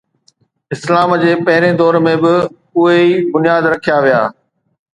اسلام جي پهرين دور ۾ به اهي ئي بنياد رکيا ويا.